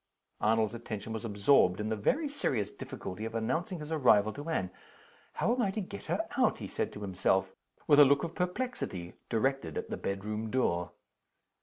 Arnold's attention was absorbed in the very serious difficulty of announcing his arrival to Anne. "How am I to get her out?" he said to himself, with a look of perplexity directed at the bedroom door.